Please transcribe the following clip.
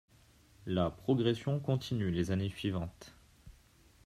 La progression continue les années suivantes.